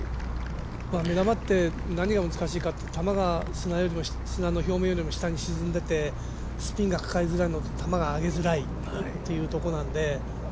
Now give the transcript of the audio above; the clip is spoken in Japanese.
目玉って何が難しいかって球が砂の表面よりも下に沈んでいてスピンがかかりづらいのと球が上げづらいってところなので。